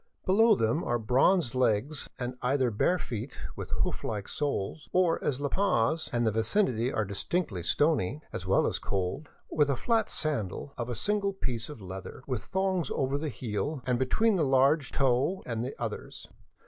Below them are bronzed legs and either bare feet with hoof like soles, or, as La Paz and vicinity are distinctly stony, as well as cold, with a flat sandal of a single piece of leather, with thongs over the heel and between the large toe and the others.